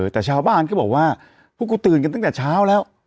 แต่ชาวบ้านก็บอกว่าพวกกูตื่นกันตั้งแต่เช้าแล้ว